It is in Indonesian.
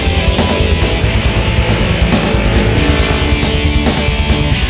ya makasih ya